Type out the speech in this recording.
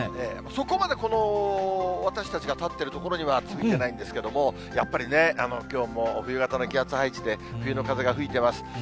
そこまで、私たちが立ってる所には吹いてないんですけれども、やっぱりね、きょうも冬型の気圧配置で、冬の風が吹いてます。